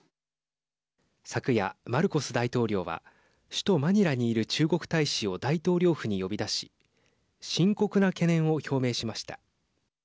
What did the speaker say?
昨夜マルコス大統領は首都マニラにいる中国大使を大統領府に呼び出し深刻な懸念を表明しました。